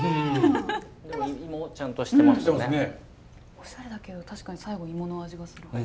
オシャレだけど確かに最後芋の味がする。